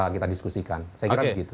kita diskusikan saya kira begitu